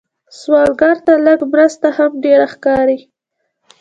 سوالګر ته لږ مرسته هم ډېره ښکاري